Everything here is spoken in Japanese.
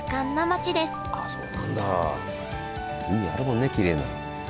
海あるもんねきれいな。